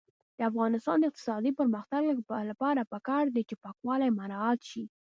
د افغانستان د اقتصادي پرمختګ لپاره پکار ده چې پاکوالی مراعات شي.